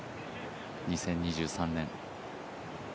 ２０２３年。